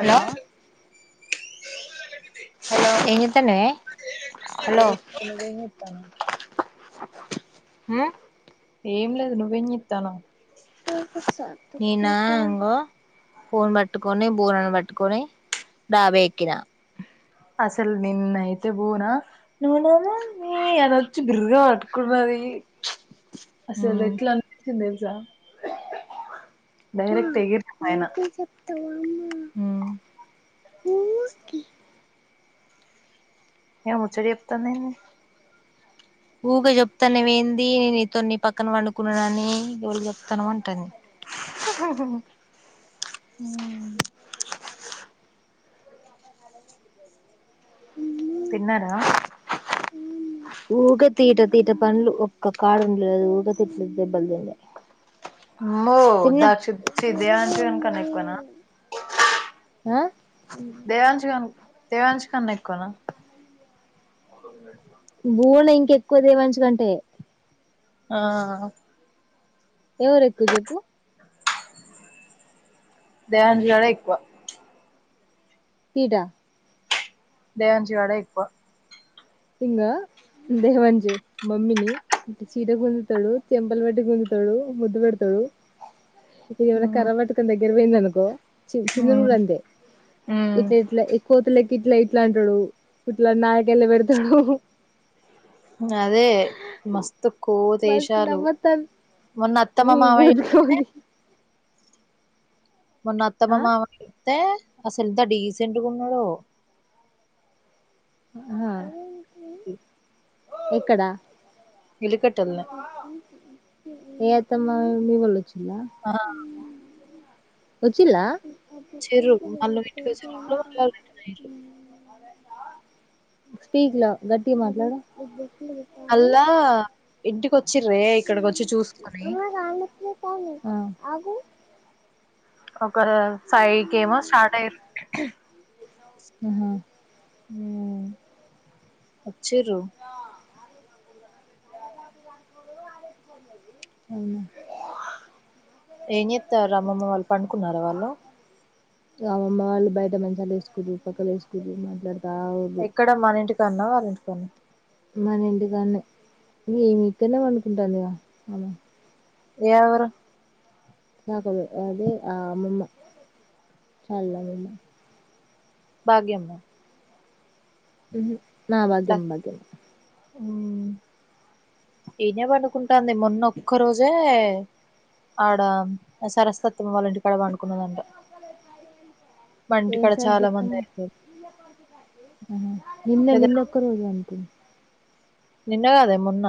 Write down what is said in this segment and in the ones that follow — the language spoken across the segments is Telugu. హలో హలో ఏం చేత్తన్నవే ఉ ఏం లేదు నువ్వేం చేతన్నావ్ నేనా అంగో పూన్ పట్టుకోని బూనను పట్టుకోని డాబెక్కిన అసలు నిన్నైతే బూనా నునే మమ్మీ అనొచ్చి బిర్గ్ పట్టుకున్నది అసలు ఉమ్ ఎట్లా అనిపించ్చింది తెలుసా డైరెక్ట్ ఎగిర్న పైన ఉమ్ ఏమొఉచ్చట చెప్తాంది ఏమి ఊకే చెప్తాన వెందీ నీతోని ని పక్కన పండుకున్నానని ఎవల్కి చెప్తానవ్ అంటంది మ్ తిన్నారా ఊకే తీట తీీట పనులు ఒక్క కాడుండదు ఊకే తిట్లు దెబ్బలు తినుడే అమ్మో తిన్న దాక్షి చి దేయాంష్ గని కన్నా ఎక్కువనా ఆ దేవాన్ష్ కాన్ దేవన్ష్ ఖన్నా ఎక్కువనా భూవన ఇంక ఎక్కువ దేవాన్ష్ కంటే ఆ ఎవరెక్కువా చెప్పు దేవాన్ష్ గాడే ఎక్కువ విడా దేవాన్ష్ వాడే ఎక్కువ ఇంగో దేవాన్ష్ మమ్మిని చీర గుంజుతాడు చెంపల్ పట్టి గుంజు తడు ముద్దుపెడుతడు ఇప్పుడు ఏమన్న మ్మ్ కర్రపట్టుకోని దగ్గర పోయిందనుకో చి చిన్నూను మ్మ్ కుడా అంతే మ్మ్ ఇట్లా ఇట్లా కోతుళ్ళేక్కే ఇట్లా ఇట్లా అంటాడు ఇట్లా నాలీకెళ్ళపెడ్ అదే మస్తు మస్తు కోతేశాలు నవ్వొత్తాంది మొన్న అత్తమ్మమామయ్య కోతి వతే కోతి మొన్న అత్తమ్మ ఆ మామయ్యా తే అసలేంతా డీసెట్గున్నాడో హా ఎక్కడ ఇలుకట్టల్నే ఏ అత్తమ్మ మీ ఒళ్ళోచిల్లా ఆ ఓచిల్లా వచ్చిర్రు వాళ్ళు ఇంటికి వచ్చే లోపల వాళ్ళు రిటర్న్ అయ్యిర్రు స్ీక్లా గట్టిగ మాట్లాడు అల్లా ఇంటి కో చ్చిర్రే ఇక్కడికోచ్చి చూసుకొని ఆ ఒక ఫైకేమో స్టార్ట్ అయిర్రు ఆహా చిర్రు అవునా ఏం చేత్తారు అమ్మమ్మ వాళ్ళు పండుకున్నారా వాళ్ళు ఇగ అమ్మ వాళ్ళు బయట మంచలేదుకుర్రు పక్కలేసుకుర్రు మాట్లాడ్ ఎక్కడ మన ఇంటికన్నా వాళ్ళ ఇంటికన్నా మనింటి కాన్నే మి ఇక్కన్నే పండునకుంటాంది గా అమే ఎవరు నాకులు అదే ఆ అమ్మమ్మ చల్ అమమ్మ భాగ్యమ్మా మ్ హు ఆ లా భాగ్యమ్మ భాగ్యమ్మే [unintelligible] పనుకుంటాంది మొన్న ఒక్క రోజే ఆడ సరస్వతమ్మ అల్ల ఇంటి కడ పండుకున్నదంట [unintelligible] చాలా మంది [unintelligible] ఆ నిన్న లేదా నిన్న ఒక్కరోజు అంటి నిన్న కదే మొన్న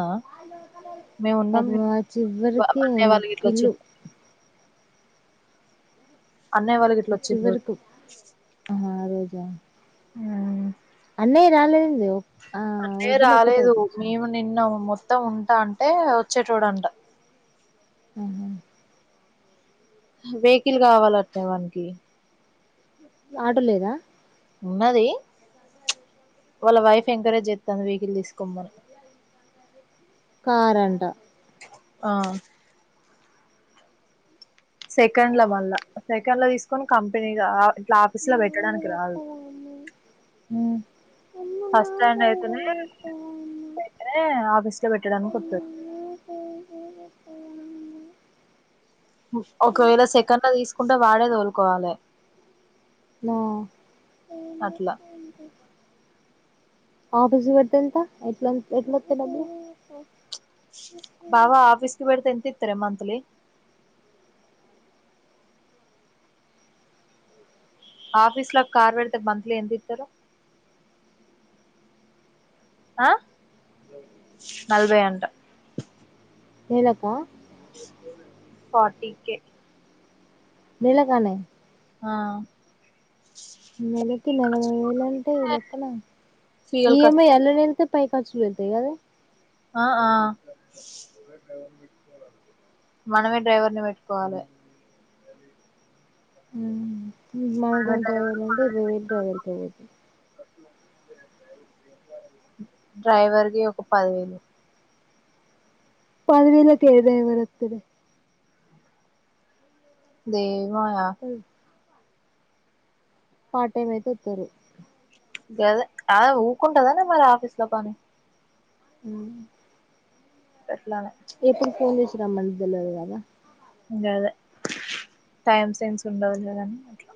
మేము ఉన్నాం పాపం ఆ చివరికి ఒక ఇల్లు [unintelligible] అన్నయ్య వాళ్ళ గిట్ల వచ్చిండ్రు వచ్చివరుకు ఆ ఆ రోజ అన్నయ్య రాలేదు అన్నయ్య రాలేదు మేము నిన్న మొ [unintelligible] ఉంటటే వచ్చేటో [unintelligible] ఆహా వెహికల్ కావాలన్ట్నే వానికి ఆటో లేద ఉన్నది వాళ్ళ వైఫ్ ఎంకరేజ్ చేస్తాంది వెహికల్ తీసుకోమని కార్ అంట ఆ సెకండ్ లో మళ్ళా సెకండ్ లో తీసుకొని కంపెనీ ఆ ఇట్లా ఆఫీస్ లో పెట్టడానికి రాదు ఉమ్ [unintelligible] అయితేనే నే ఆఫీస్ లో పెట్టడానికి వతది హు ఒకవేళ సెకండ్ లో తీసుకుంటే వాడే తోలుకోవాలే నా [unintelligible] బావ ఆఫీస్కి పెడితే ఎంత ఇతరే మంత్లీ ఆఫీసు లో కార్ పెడితే మంత్లీ ఎంత ఇత్తరు ఆ నలభై అంట నెలక ఫార్టీ కే మీలగానే ఆ నెలకి నలభై వేల అంటే ఈ లెక్కనా ఫ్యూయల్ ఖర్చు ఈఎంఐ [unintelligible] పై కర్చులు వెళ్తాయి కదా ఆ ఆ మనమే డ్రైవర్ ని పెట్టుకోవాలే [unintelligible] మనమే డ్రైవర్ డ్రైవర్ల అంటే రేల్ డ్రైవర్ కే [unintelligible] డ్రైవర్కి ఒక పదివేలు పదివేలు అయితే ఏ డ్రైవర్ వత్తడు దవాయ పార్ట్ టైం అయితే వత్తరు గదే [unintelligible] ఊకుంటదన్న మరి ఆఫీస్ లో కాని హు [inaudible] ఎప్పుడు ఫోన్ చేసి [unintelligible] కాదా టైం సెన్స్ ఉండదులే కానీ అట్లా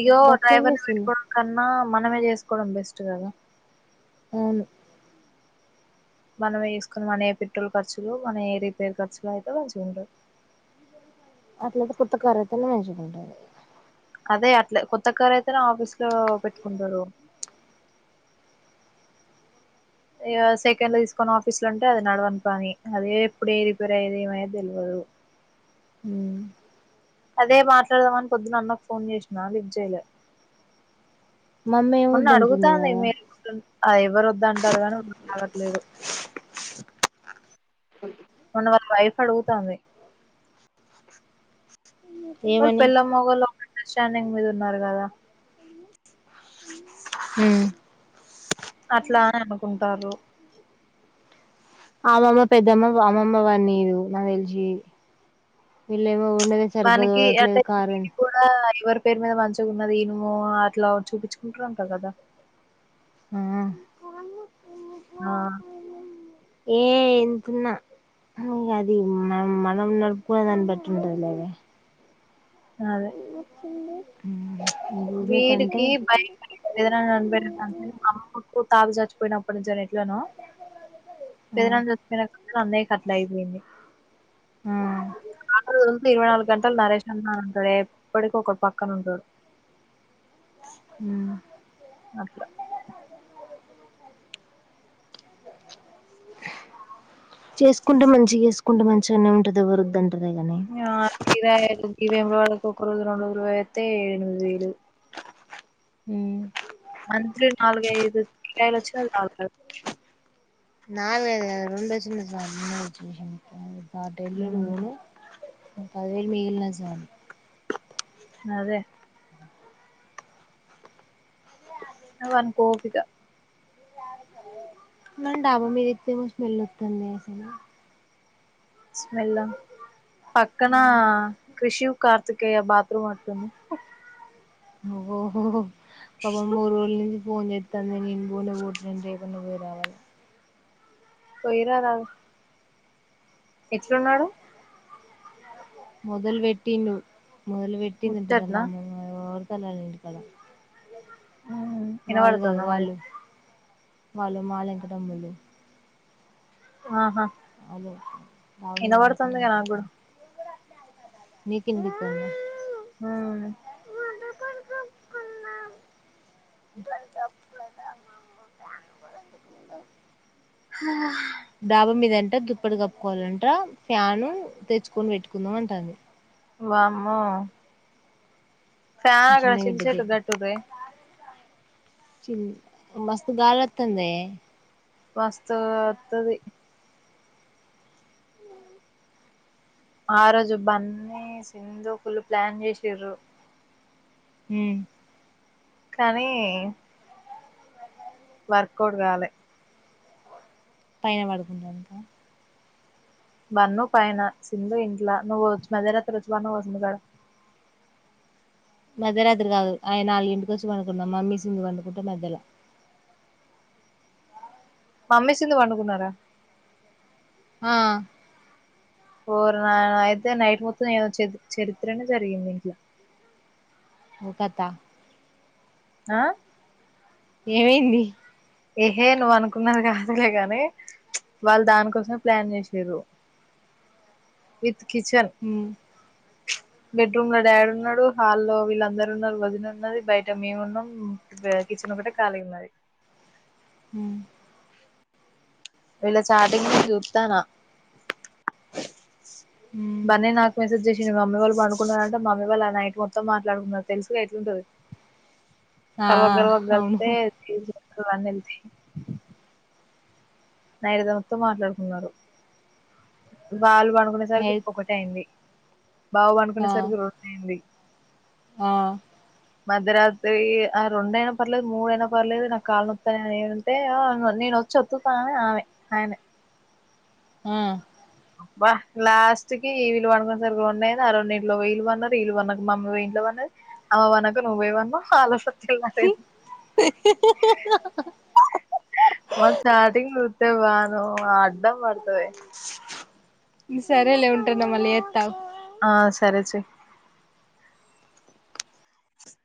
ఇగో దక్ష ఏం డ్రైవర్ ని చేస్తుంది పెట్టుకోవడం కన్నా మనమే చేసుకోవడం బెస్ట్ కదా అవును మనం వేసుకుని మనయే పెట్రోల్ ఖర్చులు మనయే రిపేర్ ఖర్చులు అయితే మంచిగుండు అట్లాయితే కొత్త కార యితనే ఏజీకుంటంది అదే అట్లే కొత్త కారు అయితనే ఆఫీస్ లో పెట్టుకుంటారు ఇగ సెకండ్ల తీసుకొని ఆఫీస్ లో అంటే అది నడవని పని అదే ఎప్పుడు ఏ రిపేర్ అయ్యది ఏమయేది తెలువదు దు ఉ అదే మాట్లాడదామని పొద్దున అన్నకు ఫోన్ చేసినా లిఫ్ట్ చేయలే మ మొన్న అడుగుతాంది మేరి అది ఎవరు వద్ద అంటారు గాను తాగట్లేదు అ మొన్న వాళ్ళ వైఫ్ అడుగుతంది వాళ్ళు ఏమని పెళ్ళాం మొగల్లు ఒకటె స్టాండింగ్ మీద ఉన్నారు కదా ఉ అట్లా అని అనుకుంటారు అమ్మమ్మ పెద్దమ్మ అమ్మమ్మ వానిదు నాకు తెలిసి వీళ్ళేమో ఉండేదే సరిగ్గా వానికి అంటె తోలట్లేదు కారు దినికి కూడా ఎవరు పేరు మీద మంచిగా ఉన్నది ఈనుమో అట్లా చూపించుకుంటారు అంట కదా ఆ ఆ ఏ ఎంతున్నా కాని అది మనం మనం నడుపునేదాని బట్టి ఉంటది లేవే అదే ఉ వీడికి భయం భయం పెదనాన్న అందరి తాత చచ్చిపోయినప్పటి నుంచి ఎట్లనో ఆ పెదనాన చచ్చిపోయిన అన్నయ్య కు కట్లా అయిపోయింది ఆ ఆటోల తిరిగుతే ఇరవై నాలుగు గంటలు నరేష్ నన్న ఇక్కడ ఎప్పడికి ఒకలు పక్కన ఉండుడు హ్మ్ అట్లా చేసుకుంటే మంచిగ చేసుకుంటే మంచిగానే ఉంటది ఎవరు వద్దన్ మేము ఆరు కిరాయి లు వేములవాడకు ఒక రోజు రెండు రోజులు పోయాత్తే ఎడు ఎనిమిది వేలు ఉ మంత్లీ నాలుగైదు కిరాయిలు అచ్చిన సాలు నాలుగైదు కాదు రెండోచిన సాలు ఉన్న సిట్యువేషన్ కి కార్డు యెల్లడు ఉమ్ పోను పదివేలు మిగిలిన జాలు అదే ఇగ వాని కోపిక మన డాబా మీద ఇత్తేమో స్మెల్ అత్తందే అసలు స్మెల్ల పక్కన క్రిషివ్ కార్ పతికేయ బాత్రూమ్ అట్టుంది నువ్వు పాపం మూడు రోల్ నుంచి పోన్ చేత్తాంద నీన్ బూన బూటింటే పోరామాల పోయిరా రాదు ఎట్లున్నాడు మొదలు వెెట్టిండు ముదల్ వెెట్టింటందల ముచ్చట్నా అమ్మ వతల ఇంటి కడ మ్మ్ వాళ్ళగా ఇనబడుతుందా వాళ్ళు మనకి వాళ్ళు మా లింకటమ్ములు ఆహా రావు మీద ఇనబడుతుందిగా నాకు కూడా అనుకుంటుపడతారు మీకు ఇన్పిత్తందా హ కొ కొ ఆ హ డాబా మీదంట దుప్పటి కప్పుకోవాలంట ఫ్యాను తెచ్చుకొని పెట్టుకుందాం అంటది వామ్మో ఫ్యాన్ గా చింత చెట్టుకు కట్టులే మస్తుగాలి అత్తందే మస్త్ వతది ఆ రోజు బన్నీ సింధు ఫుల్ ప్లాన్ చేసిరు మ్మ్ కానీ వర్కౌట్ కాలే పైన పడుకుంటాం బన్ను పైన సింధు ఇంట్లా నువ్వు వచ్చు మధ్యరాత్రి వచ్చి పన్నా వస్తుంది కాడ మధ్య రాత్రి కాదు ఆయన నాలుగు ఇంటికి వచ్చి వండుకున్నాం మమ్మీ సింగ వండుకుంటే మధ్యలో మమ్మీ సింధు పండుకున్నారా ఆ ఓరి నాయనో నైట్ మొత్తం ఏదో చరిత్రనే జరిగింది ఇంట్ల ఉకెత్త ఆ ఏమైంది ఏహే నువ్వు అనుకున్నది కాదులేగాని వాళ్ళు దానికోసమే ప్లాన్ చేసిరు విత్ కిచెన్ ఉమ్, బెడ్రూమ్ లో డాడీ ఉన్నాడు హాల్లో వీళ్ళందరున్నారు వదిన ఉన్నది బయట మేము ఉన్నాం ఒకటే కాలి మది ఉమ్. వీళ్ల చాటింగ్ చూతనా బన్నీ నాకు మెసేజ్ చేసింది మమ్మీళ్ళుండుకున్నన్నారు రంటే మమ్మీ వాళ్ళు నైట్ మొత్తం మాట్లాడకున్నారు తెలుసుగా ఎట్లుంటుది ఆ కలవక కల్వక అవును కల్తే నైట్ మొత్తం మాట్లాడుకున్నారు వాళ్ళు పడుకునే నే సరికి ఒకటీ అయింది బావ ఆ పడుకునేసరికి రెండు అయింది ఆ మధ్యరాత్రి ఆ రెండైనా పర్లేదు మూడయినా పర్లేదు నాకు కాళ్ళనొత్త నేను అంటే వచ్చి ఒచ్చుతా తనే ఆమె ఆయనే ఆ బలాస్ట్కి ఈ వీళ్ళుండుకో సరిగగా ఉన్నాయిది అ రెం ఇంట్లో వీలు పన్నారు వీలుున్న మమ్మీ ఇంట్లోన్నది అమ్ పనకు నువ్వేవాన్నా ఆలోచనతే మ చాటింగ్ చుతే బాను అడ్డం మతే సరేలే ఉంటానా మళ్ళీ చేత ఆగు ఆ సరే చేయి